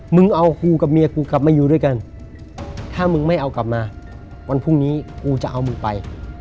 มึงเอากูกับเมียกูกลับมาอยู่ด้วยกันถ้ามึงไม่เอากลับมาวันพรุ่งนี้กูจะเอามึงไป